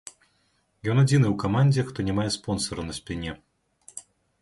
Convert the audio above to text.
Ён адзіны ў камандзе, хто не мае спонсара на спіне.